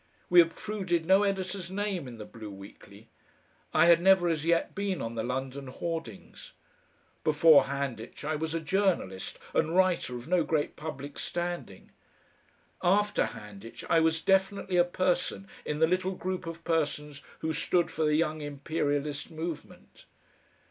We obtruded no editor's name in the BLUE WEEKLY; I had never as yet been on the London hoardings. Before Handitch I was a journalist and writer of no great public standing; after Handitch, I was definitely a person, in the little group of persons who stood for the Young Imperialist movement.